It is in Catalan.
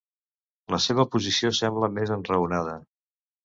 La seva posició sembla més enraonada.